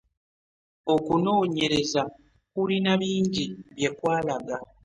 Okunoonyereza kulina bingi bye kwalaga.